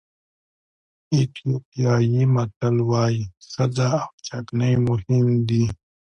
ایتیوپیایي متل وایي ښځه او چکنۍ مهم دي.